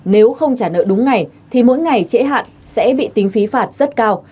nếu không trả nợ đúng ngày thì mỗi ngày trễ hạn sẽ bị tính phí phạt rất cao